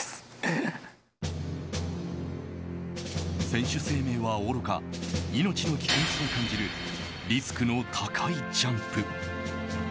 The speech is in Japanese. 選手生命はおろか命の危険すら感じるリスクの高いジャンプ。